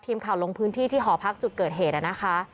ทีมข่าวลงพื้นที่ที่หอพักจุดเกิดเหตุนะคะ